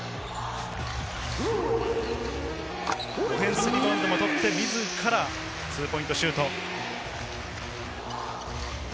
オフェンスリバウンドを取って、自らツーポイントシュート。